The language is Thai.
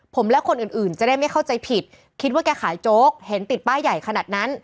ผมและคนอื่นจะได้ไม่เข้าใจผิดคิดว่าแกขายโจ๊กเห็นติดป้ายใหญ่ขนาดนั้น